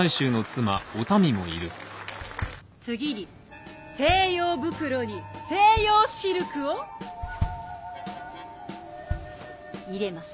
次に西洋袋に西洋シルクを入れます。